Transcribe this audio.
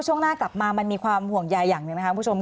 ช่วงหน้ากลับมามันมีความห่วงใยอย่างหนึ่งนะครับคุณผู้ชม